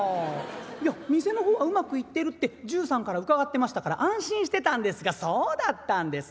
いや店の方はうまくいってるって重さんから伺ってましたから安心してたんですがそうだったんですね。